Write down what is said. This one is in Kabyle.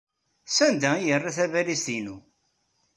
Sanda ay yerra tabalizt-inu?